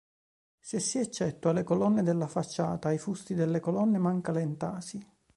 Se si eccettua le colonne della facciata, ai fusti delle colonne manca l'entasi.